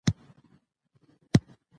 په ګډه د هیواد د ابادۍ لپاره کار وکړو.